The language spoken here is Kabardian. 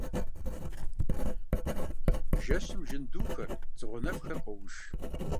Жэщым жьындухэр, дзыгъуэнэфхэр къоуш.